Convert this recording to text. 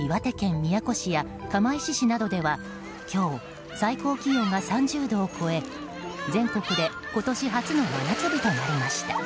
岩手県宮古市や釜石市などでは今日、最高気温が３０度を超え全国で今年初の真夏日となりました。